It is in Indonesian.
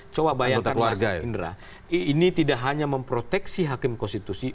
coba bayangkan mas indra ini tidak hanya memproteksi hakim konstitusi